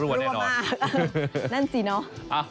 รั่วมากนั่นสิเนาะ